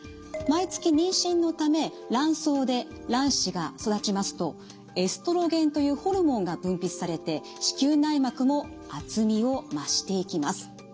毎月妊娠のため卵巣で卵子が育ちますとエストロゲンというホルモンが分泌されて子宮内膜も厚みを増していきます。